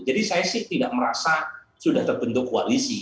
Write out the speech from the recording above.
jadi saya sih tidak merasa sudah terbentuk koalisi